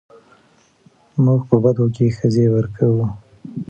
موږ په بدو کې ښځې ورکوو